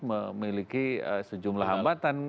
memiliki sejumlah hambatan